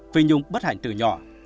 phi nhung bất hạnh từ nhỏ